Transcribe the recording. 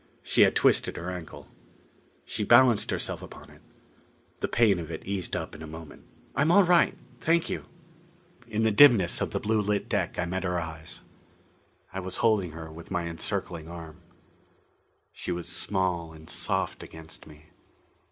She had twisted her ankle. She balanced herself upon it. The pain of it eased up in a moment. "I'm all right thank you!" In the dimness of the blue lit deck I met her eyes. I was holding her with my encircling arm. She was small and soft against me.